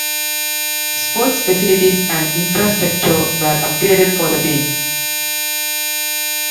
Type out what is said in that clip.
Sports facilities and infrastructure were upgraded for the team.